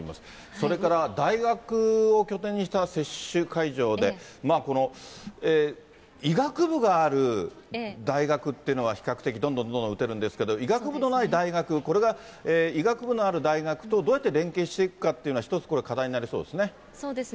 それから大学を拠点にした接種会場で、この医学部がある大学っていうのは、比較的どんどんどんどん打てるんですけれども、医学部のない大学、これが医学部のある大学とどうやって連携していくかっていうのは、そうですね。